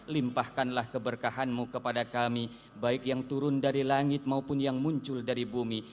limpahkanlah keberkahanmu kepada kami baik yang turun dari langit maupun yang muncul dari bumi